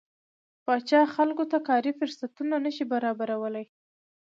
پاچا خلکو ته کاري فرصتونه نشي برابرولى.